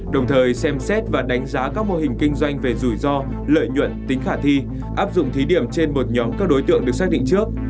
đồng thời xem xét và đánh giá các mô hình kinh doanh về rủi ro lợi nhuận tính khả thi áp dụng thí điểm trên một nhóm các đối tượng được xác định trước